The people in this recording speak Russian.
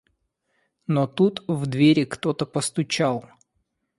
Но тут в двери кто-то постучал.